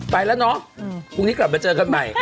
ไปแล้วเนาะพรุ่งนี้กลับมาเจอกันใหม่